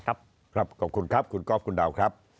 ครับขอบคุณครับคุณก๊อฟคุณดาว